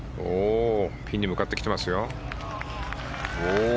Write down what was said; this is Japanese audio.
ピンに向かってきてますよ。